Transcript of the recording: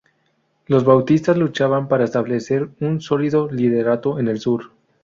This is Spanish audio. Los bautistas luchaban para establecer un sólido liderato en el sur.